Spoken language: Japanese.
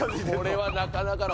これはなかなかの。